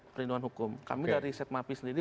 perlindungan hukum kami dari setmapi sendiri